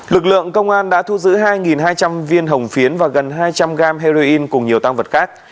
lực lượng công an đã thu giữ hai hai trăm linh viên hồng phiến và gần hai trăm linh gram heroin cùng nhiều tăng vật khác